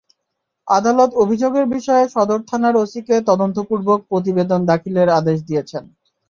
আদালত অভিযোগের বিষয়ে সদর থানার ওসিকে তদন্তপূর্বক প্রতিবেদন দাখিলের আদেশ দিয়েছেন।